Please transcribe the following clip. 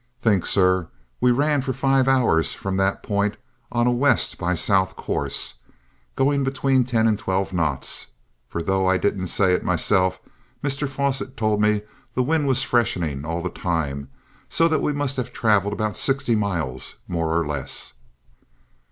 "Thin, sor, we ran for five hours from that p'int on a west by south course, going between ten and twelve knots; for, though I didn't say it meself, Mister Fosset tould me the wind was freshinin' all the toime, so that we must have travelled about sixty miles, more or less."